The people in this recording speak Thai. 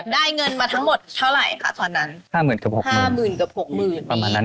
ด้ายเงินมาทั้งหมดเท่าไหร่ครับตอนนั้น